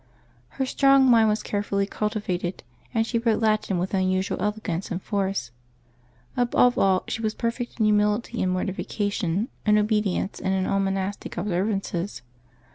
Her strong mind was carefully cultivated, and she wrote Latin with unusual elegance and force; above all, she was perfect in humility and m.ortification, in obedience, and in all monastic observ ances.